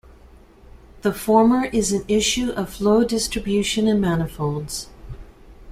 The former is an issue of Flow distribution in manifolds.